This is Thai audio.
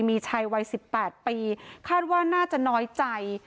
มีชายวัย๑๘ปีคาดว่าน่าจะน้อยใจ